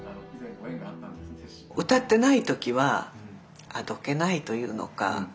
歌ってない時はあどけないというのか。